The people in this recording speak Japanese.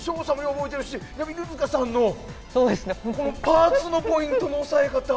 犬塚さんのパーツのポイントの押さえ方。